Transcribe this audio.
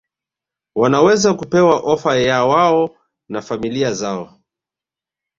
wanaweza kupewa ofa yawao na familia zao